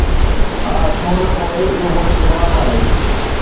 ”ها، ڇو نه؟“ ”پوءِ اهو منهنجو جواب آهي.